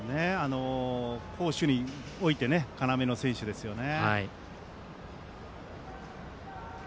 攻守において要の選手ですよね。